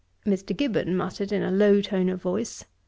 Mr. Gibbon muttered, in a low tone of voice.